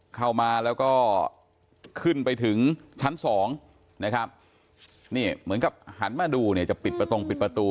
เข้ามาแล้วก็ขึ้นไปถึงชั้นสองนะครับนี่เหมือนกับหันมาดูเนี่ยจะปิดประตงปิดประตู